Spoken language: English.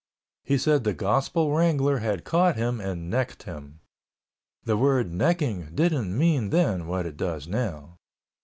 He said the gospel wrangler had caught him and necked him. The word "necking" didn't mean then what it does now.